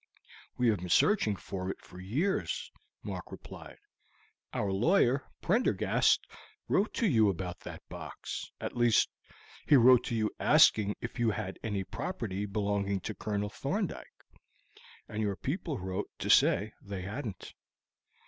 "We have been searching for it for years," Mark replied. "Our lawyer, Prendergast, wrote to you about that box; at least, he wrote to you asking if you had any property belonging to Colonel Thorndyke, and your people wrote to say they hadn't."